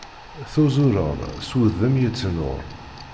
Tuzureḍ s wudem yettnur.